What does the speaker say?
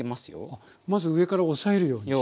あっまず上から押さえるようにして。